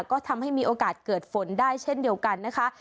ก็ทำให้มีโอกาสเกิดฝนได้เช่นเดียวกันนะคะ